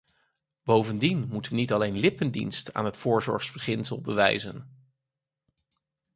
Bovendien moeten we niet alleen lippendienst aan het voorzorgsbeginsel bewijzen.